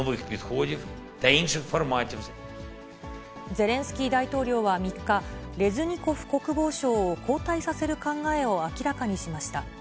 ゼレンスキー大統領は３日、レズニコフ国防相を交代させる考えを明らかにしました。